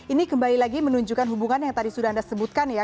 ini kembali lagi menunjukkan hubungan yang tadi sudah anda sebutkan ya